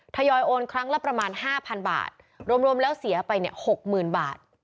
ทยอยโอนครั้งละประมาณ๕๐๐บาทรวมแล้วเสียไปเนี่ย๖๐๐๐บาท